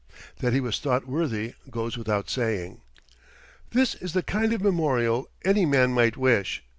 That he was thought worthy goes without saying. This is the kind of memorial any man might wish.